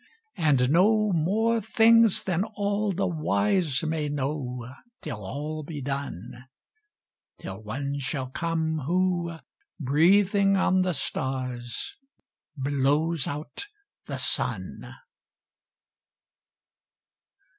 And know more things than all the wise may know Till all be done; Till One shall come who, breathing on the stars, Blows out the sun.